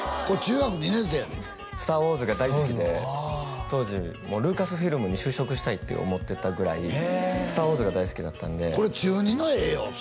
これ中学２年生やで「スター・ウォーズ」が大好きで当時もうルーカスフィルムに就職したいって思ってたぐらい「スター・ウォーズ」が大好きだったんでこれ中２の絵よ